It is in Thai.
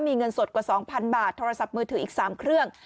มีเงินสดกว่า๒๐๐๐บาทโทรศัพท์มือถืออีก๓เครื่อง